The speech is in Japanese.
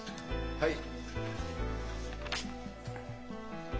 はい。